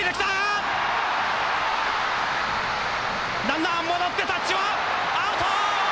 ランナー戻ってタッチはアウト！